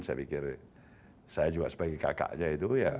saya pikir saya juga sebagai kakaknya itu ya